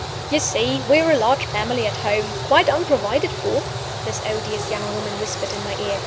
"You see we are a large family at home, quite unprovided for!" this odious young woman whispered in my ear.